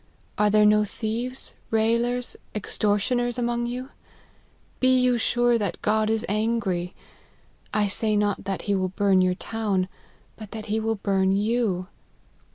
Are there no thieves, railers, extortioners, among you ? Be you sure that God is angry. I say not that he will bum your town, but that he will bum you.